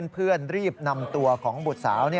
รีบนำตัวของบุตรสาว